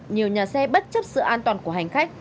nhiều nhà xe bất chấp sự an toàn của hành khách